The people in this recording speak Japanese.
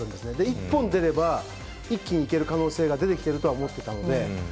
１本出れば一気に行ける可能性が出てきているとは思っていたので。